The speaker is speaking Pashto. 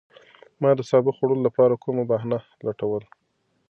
ما د سابو د خوړلو لپاره کومه بهانه لټوله.